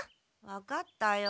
わかったよ。